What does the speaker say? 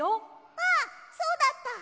あっそうだった！